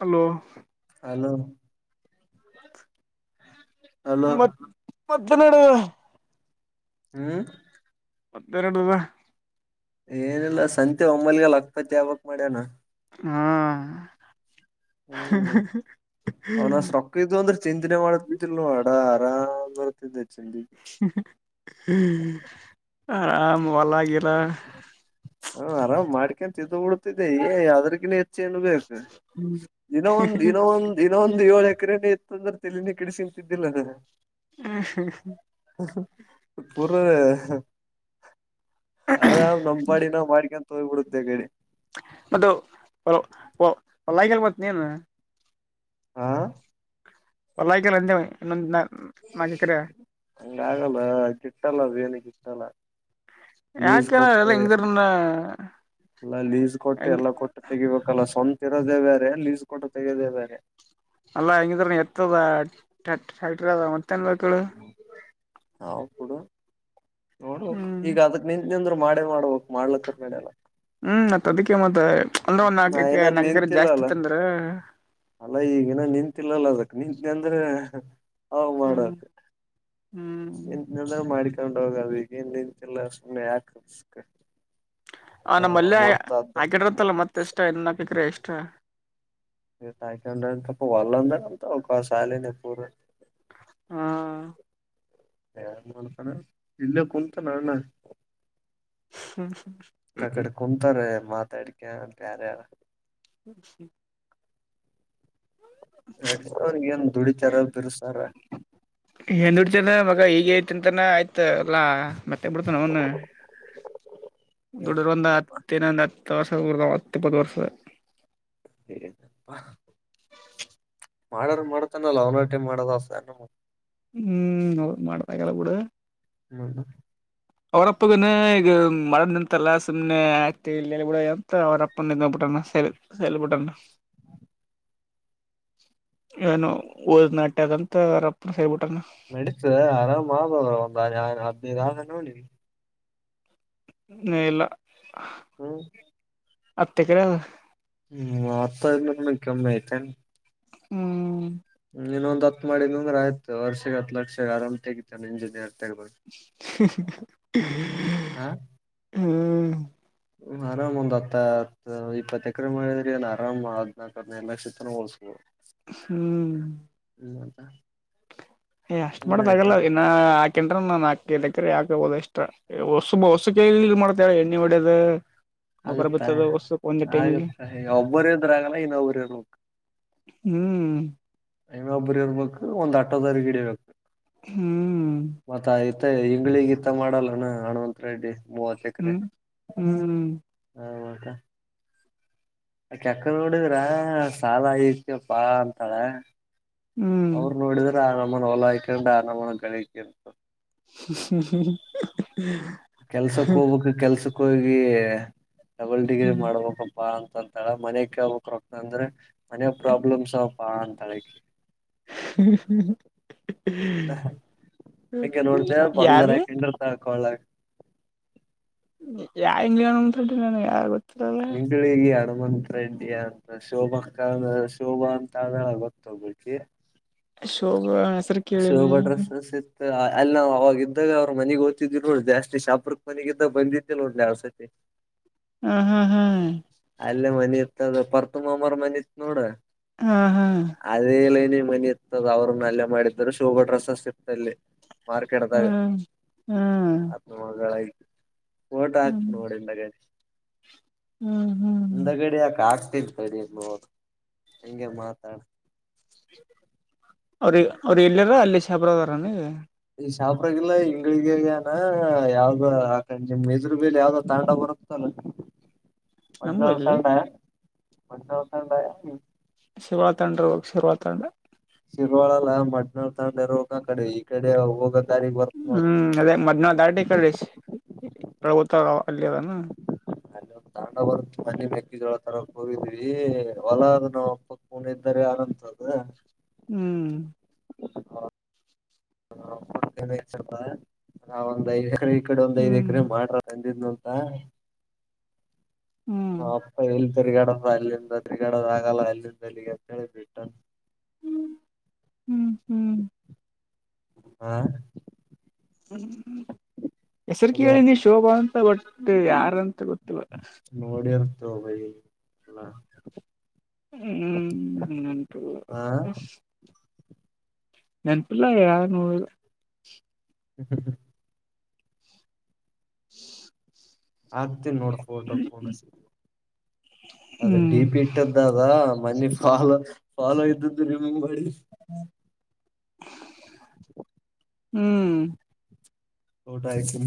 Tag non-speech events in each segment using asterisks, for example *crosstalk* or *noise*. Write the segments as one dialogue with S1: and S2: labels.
S1: Hello
S2: hello hello
S1: ಮತ್ ಮತ್ತೇನನ
S2: ಹ್ಮ್
S1: ಪತ್ತೆರಡು ದಸಾ.
S2: ಏನಲ್ಲ ಸಂತೆ ಒಮ್ಮಲ್ಗ ಲ ಅಕ್ಪತಿ ಯಾವಕ್ ಮಾಡ್ಯವನಾ
S1: ಹಾ.
S2: ಹ್ಮ್ ಚಿಂತೆನೆ ಮಾಡ್ತಿದ್ದಿಲ್ ಅಡ ಆರಾಮ್ ಬರ್ತಿದ್ದ
S1: ಆರಾಮ ವಲಾಗ.
S2: ಹಾ ಆರಾಮ್ ಮಾಡ್ಕೊಂತ ಇದ ಬಿಡ್ತಿದ್ದೆ ಏ ಅದ್ರಗ ಇ ನು ಬೇಕು ದಿನ ಒಂದು ದಿನ ಒಂದು ದಿನೊಂದು ಏಳ. ಎಕ್ರರೆನನೆ ಇತ್ತುತ್ತಂದ್ರೆ ತಲನೇ ಕಿಡಿಸಿಂತಿದ್ದಿಲ್ಲ ಪರ. ಆರಾಮ್ ನಮ್ಡಿ ನಾವ್ ಮಾಡ್ಕೊಂತ ತ ಹೋಗ್ಬ ಬಿಡುತ್ತೆ ಗಡೆ
S1: ಮಲಗಲ್ ಮತ್ತ ನೀನ್.
S2: ಹಾ
S1: ಒಲ್ಲಾಯಕಲ್ಲಂದೇ ಇನ್ನೊಂದು ನ ಕ್ರ.
S2: ಹಂಗಾಗಲ್ಲ ಗಿಟ್ಟಲ್ಲ ಬೇನಗಿಟ್ಟಲ್ಲ
S1: ಯಾಕೆನ ಎಲ್ಲ ಹಂಗ ತರಣ.
S2: ಅಲ್ಲ ಲೀಸ್ ಕೊಟ್ಟು ಎಲ್ಲ ಕೊಟ್ಟು ತೆಗಿಬೇಕಲ್ಲ, ಸ್ವಂತ ಇರೋದೆೇ ಬೇರೆ ಲೀಸ್ ಕೊಟ್ಟು ತೆಗೆಯದೆೇ ಬೇರೆ.
S1: ಅಲ್ಲಾ ಹಂಗಿದ್ರ ಎತ್ತದ ಫ್ಯಾಕ್ಟ್ರಿ ಅದ ಮತ್ತೇನ್ ಬೇಕೇಳು.
S2: ಹಡು ನೋಡು,
S1: ಹ್ಮ್
S2: ಈಗ ಅದಕ್ ನಿನ್ ಇಂದ ಅಂದ್ರ್ ಮಾಡ್ಬೇಕಕ್ ಮಾಡ್ಲಕ್ಕ ನ ಮಾಡ್ಯಲ್ಲ.
S1: ಹ್ಮ್ ಮತ್ತ ಅದಕ್ಕೆ ಮತ್ತೆ
S2: ನಾ ಏನ ನಿಂತಲ್ಲ ಅಲ್ಲ ಅಲ್ಲ ಈಗನ ನಿಂತಿಲ್ಲಲ್ಲ ಅದಕ್ಕೆ. ನಿಂತಂದ್ರೆ ಅವ
S1: ಹ್ಮ್
S2: ಮಾಡಕ್
S1: ಹ್ಮ್
S2: ನಿಂತಂದ್ರೆ ಮಾಡ. ಕಕೊಂಡ್ ಹೋಗದ ಈಗ ಏನ್ ನಿಂತಲ್ಲ ಸುಮ್ಮ್ನೆ ಯಾಕ.
S1: ಆ ನಮ್ಮ
S2: ನಾವ್
S1: ಮಲ್ಲೆ
S2: ಮತ್ತ ಅದ
S1: ಆಾಕಿಡತ್ತಲ್ಲ ಮತ್ತೆ ಎಷ್ಟ ಇನ್ನಪಿಕ್ರ ಎಷ್ಟ
S2: ನೀ ತಾಕೆ ಉೊಂಡು ತಪ್ಪ ಒಲ್ಲಂದರ ಅಂತ ಒ ಸಾಲಿ ನ ಪೂರ.
S1: ಹಾ.
S2: ಯನ್ ಮಾಡ್ತಾನ ಇಲ್ಲೇ ಕುಂತ ನ ಅಣ್ಣ ಅಕ್ಕಡೆ ಕುಂತಾರೆ ಮಾತಾಡಿಕ ಬ್ಯಾರ ಯಾರ.
S1: *unintelligible*
S2: ನಡತ ಅವನ್ಗೇನ್ ದುಡಿತರ ಬಿರುಸ್ತಾರ.
S1: ಏನ್ದುಡಿತನ ಮಗ, ಹ ಈಗ ಐತಿ ಅಂತಾನ ಆಯ್ತ ಅಲ್ಲಾ ಮತ್ತೆ ಬಿಡ್ತಾನ ಅವನು.
S2: *unintelligible*
S1: ದುಡರ್ ಒಂದು ಹತ್ತಿನೊಂದು ಹತ್ತು ವರ್ಷದರ್ ಹತ್ತ ಇಪ್ಪತ್ತು ವರ್ಷದ.
S2: ಏನ್ ಮಾಡವ್ರ್ ಮಾಡ್ತಾನಲ್ಲ ಅವನಟಿನ್ ಮಾಡದಸ ಅ.
S1: ಹ್ಮ್ ಹೌ ಮಾಡಬೇಕಾಗಲ್ಲ ಬಿಡು.
S2: ಹ್ಮ್.
S1: ಅವ್ರಪ್ಪಗನ ಈಗ ಮಾಡರದ ನಿಂತಲ್ಲ ಸುಮ್ನೆ ಆಕ್ತಿ ಇಲ್ಲ ಬಿಡ ಅಂತ ಅವ್ರಪ್ಪ ನಿಲ್ಸ್ ಬಿಟ್ಟಾನ. ಸಲ್ ಸಲ್ ಬುಟ್ಟೊನಾ. ಏನು ಓದನಾಟ್ಯದಂತ ರಪ್ಪ ಹೇಳ್ಬಿಟ್ಟು.
S2: ನಡೀತದ ಆರಾಮ್ ಆಗ್ಬೋದ್ರ ಒಂದ ಹದ್ನೈದ ಆದ್ರೆನು ನೋಡಿ.
S1: ಇನ್ನು ಇಲ್ಲ.
S2: ಹ್ಮ್
S1: ಹತ್ತೇಕರೆ
S2: ಹ್ಮ್ *unintelligible* ಕೆಮ್ಮೆತೆನ್
S1: ಹ್ಮ್
S2: ಇನೊಂದ್ ಹತ್ ಮಾಡಿನಂದ್ರೆ ಆಯ್ತು ವರ್ಷಗ್ ಹತ್ ಲಕ್ಷ ಆರಾಮ್ ತೆಗಿತನ ಇಂಜಿನಿಯರ್. ತೆಗ್ದ
S1: ಹುಂ ಹ್ಮ್.
S2: ಹ್ಮ ಆರಾಮ್ ಒಂದ್ ಹತ್ತ ಹತ್ತ ಇಪ್ಪತ್ತು ಎಕರೆ ಮಾಡಿದ್ರಿ ಒ ಆರಾಮ್ ಅದ್ನಾಲ್ಕದ್ನೈರ್ ಲಕ್ಷ ತನ ಹೋಳ್ಸ
S1: ಹ್ಮ್.
S2: *unintelligible*
S1: ಏ ಅಷ್ಟ್
S2: ಸುಮ್ನೆ
S1: ಮಾಡೋದಾಗಲ್ಲ,
S2: ಆಯ್ತು
S1: ಅವ್ರಿಗೆ ಇನ್ನ *unintelligible* ನಾಕೈದು ಎಕ್ರೆ ಹಾಕ ಹಬೋದ ಎಕ್ಸ್ಟ್ರ, ಹೊಸ ಹೊಸ ಕೈಲಿ ಇ ಮಾಡ್ತೇಳ ಎಣ್ಣೆ ಹೊಡ್ಯೋ
S2: ಆಗುತ್ತಾ ಆಗುತ್ತಾ ಒಬ್ಬರ ಇದ್ರಾಗಲ್ಲ ಇನ್ನೊಬ್ರು ಇರ್ಬೇಕು.
S1: ಹ್ಮ್
S2: ಇನ್ನೊಬ್ಬರು ಇರ್ಬೇಕು ಒಂದ್ ಅಟ್ಟೋದಾರಿಗ್ ಹಿಡಿಬೇಕು,
S1: ಹ್ಮ್
S2: ಮತ್ತ ಆಯ್ತ್ ಮತ್ತೆ ಹಂಗ್ಗಳಿಗತ್ತ ಮಾಡಲ್ಲಣ ಹನುವತ್ ರೆಡ್ಡಿ ಮೂವತ್ ಎಕ್ರೆ
S1: ಹ್ಮ್ ಹ್ಮ್
S2: ಹಾ ಅತ್ತ ಅ ಕೆಕ್ಕ ನೋಡಿದ್ರ ಸಾಲ ಐತಿ ಬಾಳ ಅಂತಳ.
S1: ಹ್ಮ್
S2: ಅವರು ನೋಡಿದ್ರ ಆ ನಮೂನ ಹೊಲ ಹಾಕಂಡ್ ಆ ನಮನ ಗಳಿಕ ಅಂತು.
S1: ಹೂಂ
S2: ಕೆಲ್ಸಕ್ ಹೋಗ್ಬೇಕು, ಕೆಲ್ಸಕ್ ಹೋಗಿ ಡಬಲ್ ಡಿಗ್ರಿ
S1: ಹ್ಮ್
S2: ಮಾಡ್ಬೇಕು. ಪ್ಪಾ ಅಂತಂತಳ ಮನೆ ಕೇಳ್ಬಕ್ ರೊಕ್ತ ಅಂದ್ರೆ ಮನೆಗ್ ಪ್ರಾಬ್ಲಮ್ಸ್ ಅವಪ್ಪಾ ಅಂತಾಳ ಆಕಿ.
S1: *unintelligible*
S2: ಹಗೆ ನೋಡ್ತ ಬಂಗಾರ
S1: ಯಾರ್ಲಿ
S2: ಕಂಡ್ರತ ಕಳ.
S1: ಯಾ ಇಂಗ್ಲೆಂಡ್ ಮುಂತಿ ನ ಯತ್ತ
S2: ನಿಂತಳಿ ಹಗಯು ತ್ ರೆಂಡಡಿ ಅಂತ ಶೋಭಾ ಕ ಶೋಭಾ ಅಂತ ಆದಳ ಗೊತ್ತೋಗ್ಬೇಕಿ
S1: ಶೋಭ ಹೆಸರು ಕೇಳನಿ
S2: ಡ್ರೆಸ್ಸಸ್ ಇತ್ ಅಲ್ಲಿ ನಾವ್ ಅವಾಗ ಇದ್ದಾಗ ಅವ್ ಮನೆಗ್ ಓಗ್ತಿದ್ವಿ ನೋಡ್, ಜಾಸ್ತಿ ಶಾಪ್ರಕ್ ಮನೆಗಿದ್ದಾಗ ಬಂದಿದ್ದೇ ನೋಡು ಒಂದೆರೆಡ್ ಸತಿ. *unintelligible*
S1: ಹ ಹಾ ಹ್ಮ್
S2: ಅಲ್ಲೇ ಮನಿ ಇತ್ತದು ಪರ್ತುಂಬಮ್ಮರ್ ಮನೆ ಇತ್ ನೋಡು,
S1: ಹಾ ಹಾ
S2: ಅದೇ ಮನಿ ಇರ್ತದ ಅವ್ರನ್ನ ಅಲ್ಲೇ ಮಾಡಿದರು ಶೋಗಡ್ ರಸ ಸಿಗ್ತಲ್ಲಿ. ಮಾರ್ಕೆಟ್ದಾಗ
S1: ಹ್ಮ್ ಹ್ಮ್
S2: ಹತ್ನ ಮಗಳಾಗಿ
S1: ಹ್ಮ್
S2: ಓಟಾಕೋ *unintelligible* ನೋಡಿಂದಾಗ.
S1: ಹ್ಮ್ ಹ್ಮ್
S2: ಹಿಂದಗಡಿ ಯಾಕ ಆಗ್ತಿ ತಡಿ ನೋ ಹಗೆ ಮಾತಾಡ
S1: ಅವ್ರ ಅವ್ರಿಗ ಎಲ್ಲರ, ಅಲ್ಲಿ ಶಬ್ರದಾರ.
S2: ಈ ಶಾಪ್ರಾಗಲ್ಲ ಇಂಗಗಳಗಗಾನ ಯಾವ್ದ ಆಕಂಡ ನಿಮ್ ಇದ್ರ ಬೇಲೆ ಯಾವ್ದೋ ತಾಂಡ ಬರುತ್ತಲ್ಲ ಮಜ
S1: ನಂಬಲ್ಲಿ
S2: ತಾಂಡ ಒಡ್ ನೋಕ
S1: ಶಿವ ತಂಡ್ರ ಹೋಗ ಶಿರ್ರುವ ತಂಡ್ರ
S2: ಶಿರ್ವಾಳಲ್ಲ ಮಟ್ನಾ ತಂಡ ಇ ಹೋಗ ಕಡೆ ಈ ಕಡೆ ಹೋಗ
S1: ಹ್ಮ್ ಅದೇ ಮದ್ನ ದಾಟ ಕ ಪ್ರುತ್ ಅಲ್ಲಿ ಅದಾನ
S2: ಹಲೋ ಅಂಡ ಬರು ಮನಿ ಮೆಕ್ಕಿ ಜೋಳ ತರ ಕೂಗಿದ್ವಿ ಹೊಲ ಅದ ನವುಪ್ಪಕ್ಕ ಕೂಣ ಇದ್ದಾರೆ ಅನಂತದ ಹಾ
S1: ಹ್ಮ್
S2: ಹ ಸ್ವಲ್ಪ ನಾವ ಒಂದ್ ಐದು ಎಕರೆ ಈ ಕಡೆ ಒಂದ್ ಐದ
S1: ಹ್ಮ್
S2: ಎಕರೆ ಮಾಡ್ರ ನಂದಿದ್ನು ಅಂತ
S1: ಹ್ಮ್
S2: ಹ ಅಪ್ಪ ಎಲ್ಲಿ ತಿರ್ಗಾಡಪ್ಪ ಅಲ್ಲಿಂದ ತಿರ್ಗಾಡದ ಆಗಲ್ಲ ಅಲ್ಲಿಂದ ಎಲ್ಲಿಗೆ ಅಂತ ಹೇಳಿ ಬಿಟ್ಟ
S1: ಹ್ಮ್ ಹ್ಮ್
S2: ಹಾ
S1: ಹ್ಮ್ ಹೆಸರ್
S2: ಅಲ್ವಾ
S1: ಕೇಳಿನೀ ಶೋಭಾ ಅಂತ ಬಟ್ ಯಾರಂತ *inaudible*
S2: ದೊ ಬಜೆ ಅಲ್ಲ *inaudible*
S1: ಹ್ಮ್ಂಟು
S2: ಹಾ
S1: ನೆನಪಿಲ್ಲ ಯಾರ ನೂ
S2: ಹ್ಮ ಹ್ಮ ಹ್ಮ
S1: *inaudible*
S2: ಆಗ್ತಿ ನೋಡ್ ಫೋಟೋ ಕೋನಸ ಅದ
S1: ಹ್ಮ್
S2: ಡಿ ಪಿ ಇಟ್ಟದ್ದ ಅದ ಮನಿ ಪಾಲ್ ಫಾಲೋ ಇದ್ದದ ರಿಮೂವ್ ಮಾಡಿ *inaudible*
S1: ಹ್ಮ್
S2: ಊಟ ಆಯತು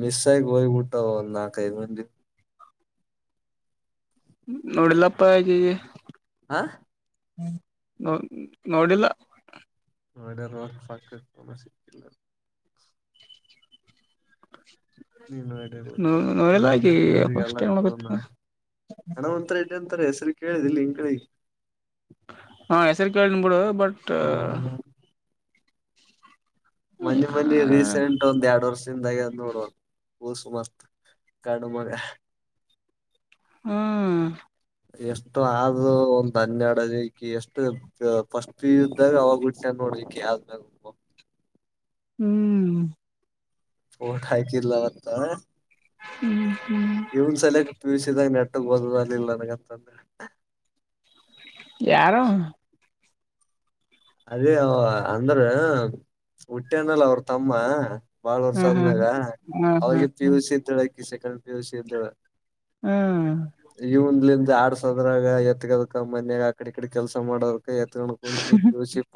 S2: ಮಿಸ್ ಆಯ ಹಯ ಊಟ್ಟ ನಾಲ್ಕ ಐದು ಮಂದಿ
S1: ನೋಡಿಲ್ಲಪ್ಪ ಹಗೆ
S2: ಹಾ
S1: ಹ್ಮ ನ ನೋಡಿಲ್ಲ
S2: ಆಡಫಾ ತಸಿಲ್ಲ ನೀನು ಎಡ ಗತ್ತಿಲ್ಲ
S1: ನೋಡಿಲ್ಲ
S2: ಗುನ್ನ
S1: ಆಕಿ
S2: ಕರಿಗ ಅವ್ರರಿಗೆ
S1: ಫಸ್ಟ್
S2: ಎಲ್ಲ
S1: ಟೈಮ್ ನೋಡಕತ್ತೀನಿ
S2: ಕೋನನ ಒಂ ತಾರೆ ಹೆಸರು ಕೇಳಿದ ಇಲ್ಲಿ ಹಂ ಕಡೆ
S1: ಹಾ ಹೆಸರು ಕೇಳನ್ ಬಿಡು ಬಟ್
S2: ಆ ಮನಿ ಮನಿ
S1: ಯಾರ್
S2: ರೀಸೆಂಟ್ ಒಂದ್ ಎರಡ್ ವರ್ಷದಿಂದಾಗ ಅ ನೋಡುವದು ವೋಸು ಮಸ್ತ್ ಕಾಡು ಮಗ
S1: ಹ್ಮ್
S2: ಎಷ್ಟು ಆದೋ ಒಂದ್ ಹನ್ನೆಡ್ ಆಕಿ ಎಷ್ಟು ಫಸ್ಟ್ ಪಿಯು ಇದ್ದಾಗ ಅವಾಗ ಹುಟ್ಸ್ಯನ್ ನೋಡ ಇಕಿ ಆದ್ಮ್ಯಾಗ
S1: ಹ್ಮ್
S2: ಓಟ ಹಾಕಿಲ್ಲ ಮತ್ತ
S1: ಹ್ಮ್ ಹ್ಮ್
S2: ಇವನ್ ಸಲಯ ಪಿುಸಿದಾಗ ನ ಬದುಲ್ಲಂತ
S1: ಯಾರು
S2: ಅದೇ ಅಂದ್ರ ಹುಟ್ಟೇನಲ್ಲ ಅವ್ರ ತಮ್ಮ ಬಾಳ ವರ್ಷ
S1: ಹ್ಮ್ ಹ್ಮ್
S2: ಆದ್ಮ್ಯಾಗ
S1: ಹ್ಮ್ ಹ್ಮ್
S2: ಅವಾಗ ಪಿ ಯು ಸಿ ಇದ್ದಳಕ್ಕಿ ಸೆಕಂಡ್ ಪಿ ಯು ಸಿ ಇದ್ದಳ
S1: ಹ್ಮ್
S2: ಇವನ್ಲಿಂದ ಆಡ್ಸೋದ್ರಾಗ ಎತ್ತಗದಕ ಮನ್ಯಾಗ ಆಕಡೆ ಕಡೆ ಕೆಲಸ ಮಾಡೋದ ಎತ್ತಕ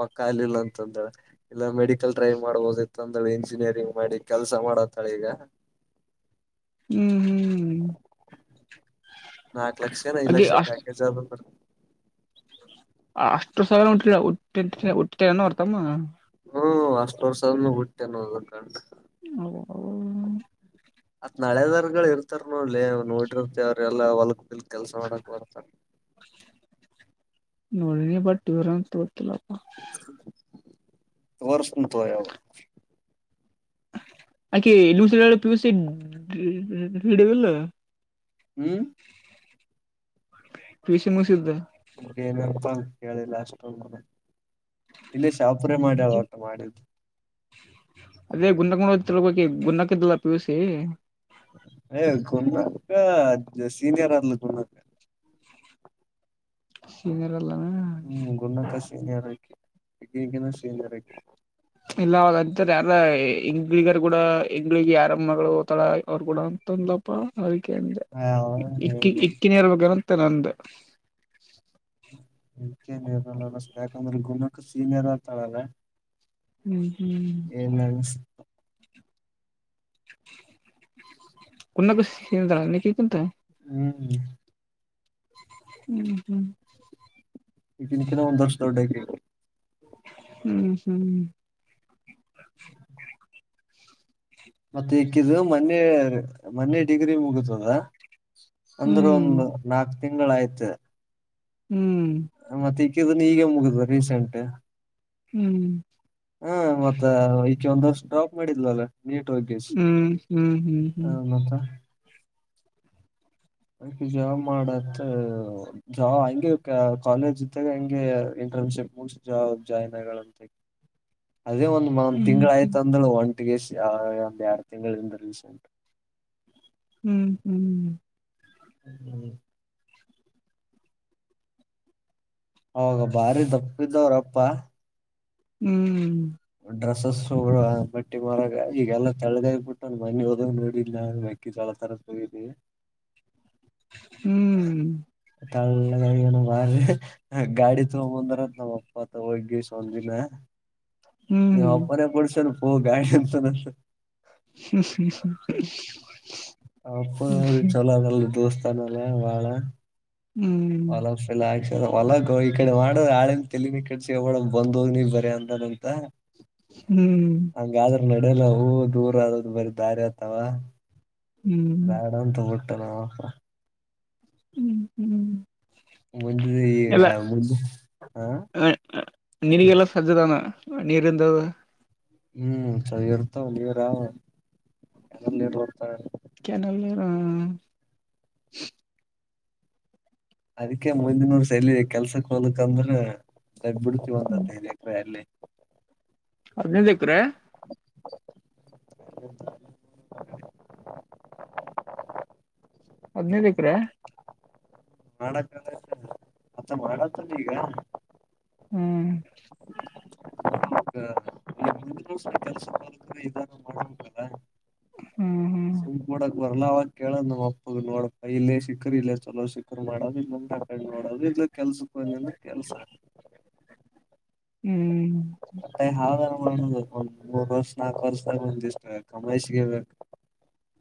S2: ಪಕ್ಕ ಅಲ್ಲಿಲ್ಲ ಅಂತಂದ್ರೆ ಇಲ್ಲ ಮೆಡಿಕಲ್ ಡ್ರೈವ್ ಮಾಡ್ಬೋದ ತಂದಳು ಇಂಜಿನಿಯರಿಂಗ್ ಮಾಡಿ ಕೆಲ್ಸ ಮಾಡತ್ತಾಳ ಈಗ
S1: ಹ್ಮ್ ಹ್ಮ್ ಹ್ಮ
S2: ನಾಕ್ ಲಕ್ಷ ಏನ್ ಐದ ಲಕ್ಷ ಪ್ಯಾಕೇಜ್ ಆದ ಅಂದ್ರ.
S1: ಅಷ್ಟು ಸಲ ಉ ಉತನೋ ಹೊರ್ತಮ್ಮ *unintelligible*
S2: ಹ್ಮ್ ಅಷ್ಟ ವರ್ಷ ಆದಮ್ಯಾಗ ಹುಟ್ಟೇನ ಅದ ಗಂಡ.
S1: ಅಬ್ಬಾಬಬಬಾ
S2: ಅತ್ ನಳೆದರ್ಗಳ ಇರ್ತಾರ ನೋಡ್ಲೇ ನೋಡಿರ್ತಿ ಅವ್ರ ಎಲ್ಲ ಹೊಲಕ ಗಿಲಕ್ ಕೆಲ್ಸಮಾಡಕಬರ್ತರ
S1: ನೋಡಿನಿ ಬಟ್ ಇವರ ಅಂತ ಗೊತ್ತಿಲ್ಲ.
S2: ವರ್ಷನು ತೋಯಾವ
S1: ಆಕಿ ಲುಸಳ ಪ ಭಡ *unintelligible*
S2: ಹ್ಮ್
S1: ಪಿಯುಸಿ ಮುಗೀಸಿದ್ಲ.
S2: ಏನಿಲಪ್ಪ ಕೇಳದೆ ಲಾಷ್ಟ ಇಲ್ಲೇ ಶಾಪುರೆ ಮಾಡ್ಯಳ ಒಟ್ಟ ಮಾಡಿದ್ದು.
S1: ಅದೇ ಗುಂಡಕ್ ನದ ತಿಬೇಕಿ ಗುಂಡಕಿದ್ದಲ್ಲ ಪೀಿವಸಿ *unintelligible*
S2: ಅಯ ಗುನ್ನಕ್ಕ ಸೀನಿಯರ್ ಆದ್ಲು ಗುನ್ನಕ್ಕ.
S1: ಸಿನಿಯರ್
S2: ಹ್ಮ ಗುನ್ನಕ್ಕ ಸೀನಿಯರ್ ಅಕೀ ಅಕಿನ್ಕಿನ ಸೀನಿಯರ್ ಅಕೀ
S1: ಇಲ್ಲ ಅವಾಗ ಅಂತಿರ ಯಾರ ಇಂಗ್ಳಿಗರ ಗೂಡ ಇಂಗ್ಳಿಗೆ ಯಾರಮ್ಮಗಳು ಹೊತಳ ಅವ್ರುಗೂಡ. ಅಂತ ಅಂದಲ್ಪ ಅದಿಕೆ ಅಂದೆ ಇಕಿ ಇಕ್ಕಿನೆಯಿರಬೇಕನ ತ್ತನಂದೆ
S2: ಹ ಇಕಿಯೆನ್ ಇರಲಲ್ಲ ಯಾಕಂದ್ರ ಗುನಕ್ಕ ಸೀನಿಯರ್ ಆತಳಲ್ಲ.
S1: ಹ್ಮ್ ಹ್ಮ್
S2: ಏ ನನ್ಸ್
S1: ಕುನ್ನ ಬ ಸಿಂತ *unintelligible*
S2: ಹ್ಮ್
S1: ಹ್ಮ್ ಹ್ಮ್
S2: ಈಕೀನಕಿನ ಒಂದ ವರ್ಷ ದೊಡ್ಡಕೀ.
S1: ಹ್ಮ್ ಹ್ಮ್
S2: ಮನ್ನೆ ಮನ್ನೆ ಡಿಗ್ರಿ ಮುಗದದ ಅಂದ್ರ
S1: ಹ್ಮ್
S2: ಒಂದು ನಾಕ್. ತಿಂಗಳಾಯ್ತು.
S1: ಹ್ಮ್
S2: ಅಕಿದನೂ ಈಗೆ ಮುಗುದದ ರೀಸೆಂಟ್.
S1: ಹ್ಮ್
S2: ಹ ಮತ್ತ ಈಕೆ ಒಂದ್ ವರ್ಷ ಡ್ರಾಪ್ ಮಾಡಿದ್ಲಲ್ಲ. ನೀಟ್ ಟು ದಿಸ್
S1: ಹ್ಮ್ ಹ್ಮ್ ಹ್ಮ್
S2: ಹ ಮತ್ತ? *unintelligible* ಹೆಂತಿ ಸೇವ ಮಾಡ ಅಂತ ಜಾವಾ ಹಂಗವಿಕ ಕಾಲೇಜ್ ಇದ್ದಾಗ ಹಂಗೆ *unintelligible* ನಮ್ಮ ಚೆಕ್ಪೋಸ್ಟ್ ಜಾಬ್ ಜಾಯನ್ ಆಗ್ಯಾಳಂತ ಆಕಿ ಅದೇ ಒಂದ ಮ
S1: ಹ್ಮ್
S2: ತಿಂಗಳು ಆಯ್ತ ಅಂದಳು ಒನ್ *unintelligible* ಅಂದ್ಯಾಶಾ ಒಂದ್ ಎರಡ ತಿಂಗಳ ಹಿಂದ ರೀಸೆಂಟ್ *unintelligible*
S1: ಹೂ ಹೂ
S2: ಹ್ಮ್ ಅವಾಗ ಬಾರಿ ದಪ್ಪಿದ್ದ ಅವ್ರಪ್ಪಾ.
S1: ಹ್ಮ್
S2: ಡ್ರೆಸ್ಸಸವಳ ಬಟ್ಟಿಗೋಳದಗ್ ಈಗೆಲ್ಲಾ ತೆಳ್ಳಗಾಗಬಿಟ್ಟ ಮನ್ನಿ ಹೋದಾಗ ನೋಡಿದ್ನ ಮೆಕ್ಕಿ ಜೋಳ ತರಾಕ್ ಹೋಗಿದ್ವಿ.
S1: ಹ್ಮ್ ಹ್ಮ್ ಹ್ಮ್
S2: ತೆಳ್ಳಗ ಆಗ್ಯನ್ ಅವ. ಗಾಡಿ ತೊಂಬಂದರಂತ ನಮ್ಮಪತ ಹೋಗೀಶ ಒಂದಿನ. ನೀಮ್ಮಪ್ಪನೆ ಕೋಡ್ಸೆನಪ್ಪೋ ಗಾಡಿ ಅಂತಾನಂತ್.
S1: ಹ್ಮ ಹ್
S2: ಅಪ್ಪ ಅವ್ರಿಗ ಚಲೋ ಅನಲ್ ದೋಸ್ತ ಅನಲ್ಲ ಬಾಳ. ಫಾಲೋವರ್ಸ್ ಎಲ್ಲಾ ಆಗಷಿ ಹೊಲಕ ಈಕಡೆ ಮಾಡ ಆಳಿಂದ ತೇಲಿನ ಕೆಡಸಕೊ ಬೇಡಾ ಬಂದ ಹೋಗಲಿ ಬರೇ ಅಂತಾನ *unintelligible* ಹೌದಾ
S1: ಹ್ಮ್
S2: ಹಂಗ ಆದರ *unintelligible* ನಡೆಲ್ಲಾ ಹೂ ದೂರ ಆದದು ಬರಿ ದಾರಿ ಆತಾವ
S1: ಹ್ಮ್
S2: ಬೇಡ ಅಂತ ತೊಗರಿ *unintelligible* ತಾಹಾ *unintelligible*
S1: ಹೂ ಹೂ *unintelligible*
S2: ಮುಂದಿಂದ ಈಗ ಮುಂದ ಆ *unintelligible*
S1: ನಿನಗೆಲ್ಲ ಸಜ್ಜ ಅದಾನ್ ನೀರಿಂದ ಅದ? *unintelligible*
S2: ಹೂ ಸರಿ ಇರ್ತವ ನೀರಾ ಅದೇ ನೀರ ಬರ್ತಾವ *unintelligible*
S1: ಹ *unintelligible*
S2: ಅದಕ್ಕೆ ಮುಂದಿನ ವರ್ಷ ಎಲ್ಲಿ ಕೆಲಸಕ್ಕೆ ಹೋಗ್ಬೇಕಂದ್ರ *unintelligible* ತಗ್ ಬಿಡ್ತೀವ ಅಂತ ಹೇಳಿದರ ಅಲ್ಲಿ? *unintelligible*
S1: ಇಲ್ಲೇ ಸಿಕ್ರ? *unintelligible*
S2: *unintelligible*
S1: ಹದಿನೈದ ಎಕರೆ? *unintelligible*
S2: ಮಾಡಕ ಅಂದರ್ *inaudible* ಅಚಾ ಮಾಡಕ ಬಂದೀ ಈಗ? *unintelligible*
S1: ಹೂ *unintelligible*
S2: *unintelligible* *inaudible* ಈ ಮುಂದಿನ ಕೆಲ್ಸ ಮಾಡಕ್ರೆ ಇದಾರ ಮಾಡಬೇಕಲ್ಲ.
S1: ಹ್ಮ್
S2: ಸುಮ್ ಮಾಡಕ್ ಬಾ. *unintelligible* ಹೊಲ ಅವಾಗ ಕೇಳ್ ಅಂದೆ ನಮ್ಮ ಅಪ್ಪ ನೋಡಪ್ಪ ಇಲ್ಲೇ ಸಿಖರ್ ಇಲ್ಲೇ ಚಲೋ ಸಿಖರ್ ಮಾಡೋದು ಇಲ್ಲಾಂದ್ರ ಆ ಕಡೆ ನೋಡದ ಇಲ್ಲ *unintelligible* ಕೆಲಸ ಹೋದರೆ ಅಂದರ್ ಕೆಲಸಾ? *unintelligible*
S1: ಹ್ಮ್
S2: ಮತ್ತ ಹಾವ *unintelligible* ಒಂದ ಬೇಕ ಒಂದ್ ಮೂರ್ ವರ್ಷ ನಾಲ್ಕು ವರ್ಷದ ಒಂದಇಷ್ಟ ಕಮರ್ಷಿಯಲ್ ಬೇಕ. *unintelligible*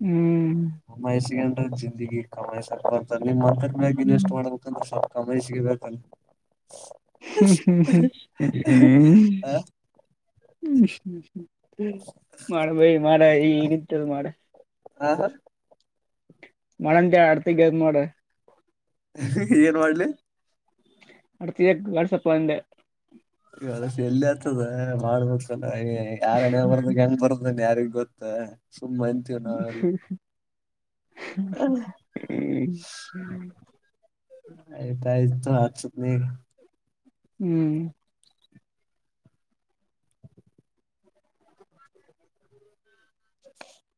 S1: ಹೂ *unintelligible*
S2: ಬೈಸ್ಕೊಂಡ್ರ ಜಿಂದಗಿ ಜಿಂದಗ ಕಮಿಷನ್ ಬರ್ತಾದ ನಿಮ್ಮ ಅಂತರೊ ಮ್ಯಾಗ
S1: ಹ್ಮ್
S2: ಇನ್ವೆಸ್ಟ್ ಮಾಡ್ಬೇಕಂದ ಶಾಕ್? *unintelligible* ಕಂಪನಿ ಸಿಗಬೇಕ ಅಲ್ಲ? *unintelligible*
S1: *unintelligible*
S2: ಆ
S1: ಮಾಡ ಭೈ ಮಾಡ ಇಗ ಇತ್ತಲ್ಲ ಮಾಡ? *unintelligible*
S2: ಆ ಹಾ *unintelligible*
S1: ಮಳಂತ್ಯ ಯಾಡ ಪೆಗ್ ಐತ ನೋಡ? *unintelligible*
S2: ಏನ್ ಮಾಡ್ಲಿ. *unintelligible*
S1: ಹೊಡ್ತೀಯಾ ಏಗ ವಾಟ್ಸಪ್ ಅಂದೇ *unintelligible*
S2: ಗಳಸಿ ಎಲ್ಲಿ ಆತದ ಮಾಡ್ಬೇಕ್ ಅಲ್ಲ ಏ ಯಾರ್ ಹಣೆ ಬರ್ದಗಾ ಹೆಂಗ್ ಬರ್ತ *unintelligible* ಯಾರಿಗ ಗೊತ್ತ ಸುಮ್ಮ ಇಂತೀವ ನಾವೆಲ್ಲ? *unintelligible* *unintelligible* ಆಯತ್ತ ಆಯತ್ತ. ತೋ ಅಚಿತ ನೀರ, *unintelligible*
S1: ಹೂ *unintelligible* *unintelligible*